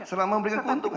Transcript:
selama memberikan keuntungan